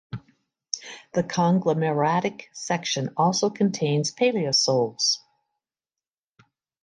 The conglomeratic section also contains paleosols.